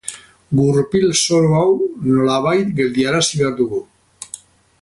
Gurpil zoro hau nolabait geldiarazi behar dugu.